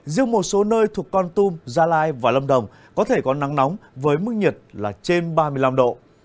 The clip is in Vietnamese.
riêng một số nơi thuộc con tum gia lai và lâm đồng có thể có nắng nóng với mức nhiệt là trên ba mươi năm độ